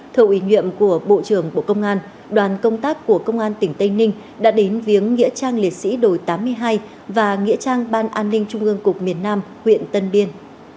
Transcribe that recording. thợ ủy nhiệm của bộ trưởng bộ công an đoàn công tác của công an tỉnh tây ninh đã đến viếng nghĩa trang liệt sĩ đồi tám mươi hai và nghĩa trang ban an ninh trung ương cục miền nam huyện tân biên